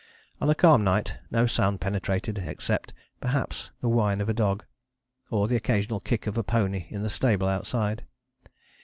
On a calm night no sound penetrated except, perhaps, the whine of a dog, or the occasional kick of a pony in the stable outside.